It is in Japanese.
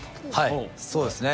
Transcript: はいそうですね。